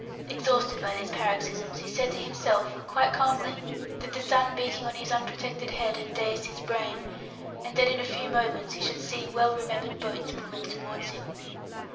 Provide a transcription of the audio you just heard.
Exhausted by these paroxysms, he said to himself, quite calmly, that the sun beating on his unprotected head had dazed his brain, and that in a few minutes he should see well remembered boats pulling towards him.